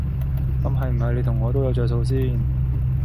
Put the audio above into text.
咁係唔係你同我都有着數先？